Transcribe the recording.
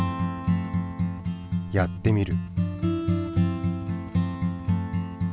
やってみる。